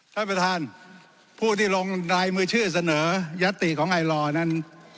ท่านประธานผู้ที่ลงรายมือชื่อเสนอยัตติของไอลอร์นั้น